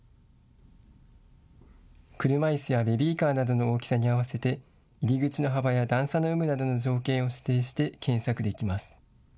車いすやベビーカーなどの大きさに合わせて入り口の幅や段差の有無などの条件を指定して検索できます。